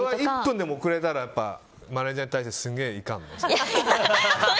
１分でも遅れたらマネジャーに対してすごい怒るの？